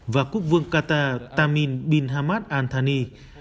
và quốc vương qatar tamim bin hamad al thani